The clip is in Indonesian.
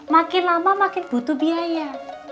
makin lama makin butuh biaya